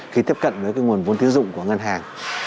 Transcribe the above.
khi tiếp cận với nguồn vốn tín dụng của ngân hàng